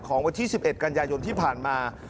ของวัน๒๑กรณญายนที่ผ่านมา